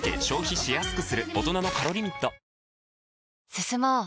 進もう。